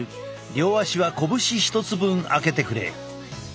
両足は拳１つ分開けてくれ。